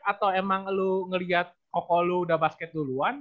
atau emang lu ngeliat koko lu udah basket duluan